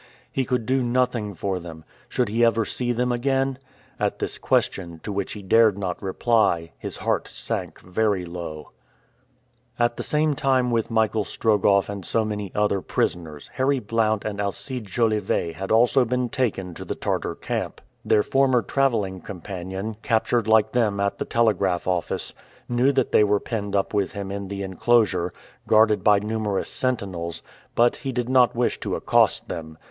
He could do nothing for them. Should he ever see them again? At this question, to which he dared not reply, his heart sank very low. At the same time with Michael Strogoff and so many other prisoners Harry Blount and Alcide Jolivet had also been taken to the Tartar camp. Their former traveling companion, captured like them at the telegraph office, knew that they were penned up with him in the enclosure, guarded by numerous sentinels, but he did not wish to accost them.